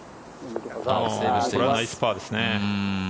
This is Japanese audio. これはナイスパーですね。